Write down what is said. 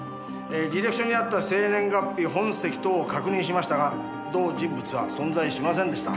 履歴書にあった生年月日本籍等を確認しましたが同人物は存在しませんでした。